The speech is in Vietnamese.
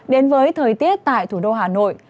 đến với thời tiết tại thủ đô hà nội